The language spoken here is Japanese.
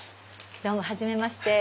どうもはじめまして。